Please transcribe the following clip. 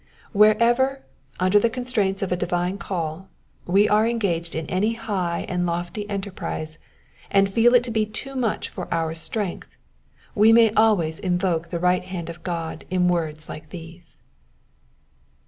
Wherever, under the constraints of a divine, call, we are engaged in any high and lofty enterprise, and feel it to be too much for our strength, we may always invoke the right hand of G^d in words like these.